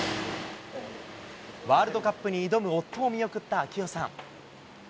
ワールドカップに挑む夫を見送った啓代さん。